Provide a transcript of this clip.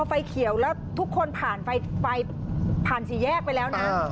ก็พอไฟเขียวมันทุกคนผ่านชีวิตฟันสีแยกไปแล้วนะ